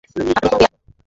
আপনি খুব বেয়াদব।